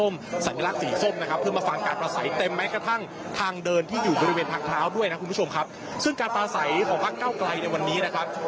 แม้กระทั่งทางเดินที่อยู่บริเวณพักพร้าวด้วยนะคุณผู้ชมครับซึ่งการประสัยของพักเก้าไกลในวันนี้นะครับ